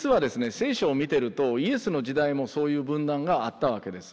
聖書を見てるとイエスの時代もそういう分断があったわけです。